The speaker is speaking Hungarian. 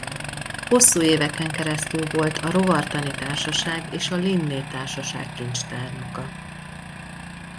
Hosszú éveken keresztül volt a Rovartani Társaság és a Linné Társaság kincstárnoka.